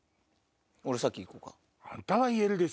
俺先行こうか。